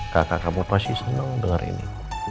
kakak kamu pasti seneng denger ini